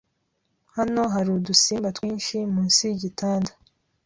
Hano hari udusimba twinshi munsi yigitanda.